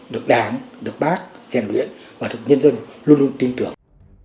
được đảng được bác gian luyện và thực nhân dân luôn luôn tin tưởng